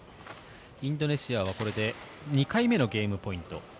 インドネシアはこれで２回目のゲームポイント。